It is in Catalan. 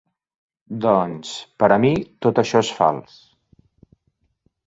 Doncs, per a mi tot això es fals.